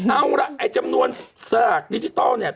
เอาล่ะจำนวนสลักดิจิทัล